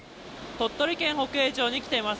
鳥取県北栄町に来ています。